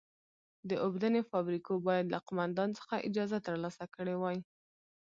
د اوبدنې فابریکو باید له قومندان څخه اجازه ترلاسه کړې وای.